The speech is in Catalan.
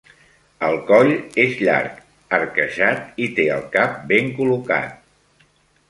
El coll és llarg, arquejat i té el cap ben col·locat.